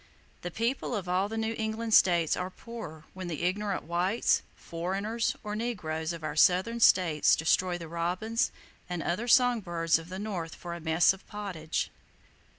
The people of all the New England States are poorer when the ignorant whites, foreigners, or negroes of our southern states destroy the robins and other song birds of the North for a mess of pottage.